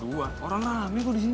aduhan orang rame kok di sini